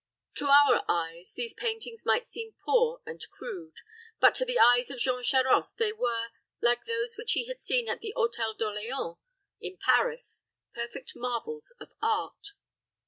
To our eyes these paintings might seem poor and crude; but to the eyes of Jean Charost they were, like those which he had seen at the Hôtel d'Orleans, in Paris, perfect marvels of art.